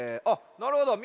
なるほどね。